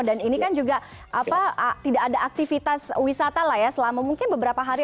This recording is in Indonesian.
dan ini kan juga tidak ada aktivitas wisata selama mungkin beberapa hari